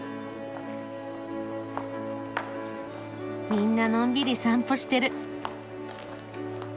みんなのんびり散歩してる。